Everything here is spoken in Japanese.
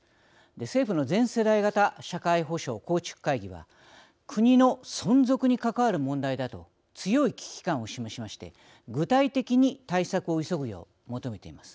政府の全世代型社会保障構築会議は国の存続に関わる問題だと強い危機感を示しまして具体的に対策を急ぐよう求めています。